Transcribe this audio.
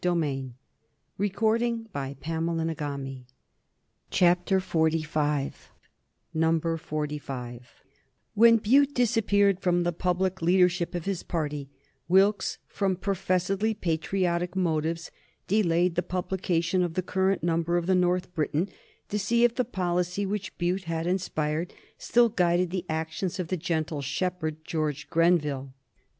NUMBER FORTY FIVE. [Sidenote: 1763 Wilkes's criticism of the King's speech] When Bute disappeared from the public leadership of his party, Wilkes, from professedly patriotic motives, delayed the publication of the current number of the North Briton, to see if the policy which Bute had inspired still guided the actions of the gentle shepherd, George Grenville.